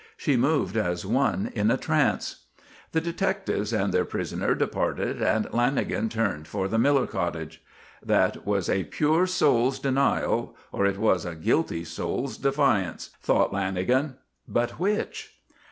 She moved as one in a trance. The detectives and their prisoner departed and Lanagan turned for the Miller cottage. "That was a pure soul's denial or it was a guilty soul's defiance," thought Lanagan. "But which?"